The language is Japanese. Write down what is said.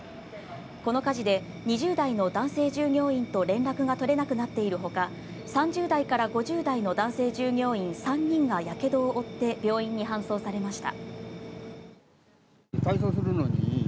この火事で、２０代の男性従業員と連絡が取れなくなっているほか、３０代から５０代の男性従業員３人が火傷を負って病院に搬送されました。